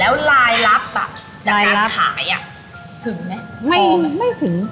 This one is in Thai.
แล้วลายลับอ่ะลายลับจากการขายอ่ะถึงไหมไม่ไม่ถึง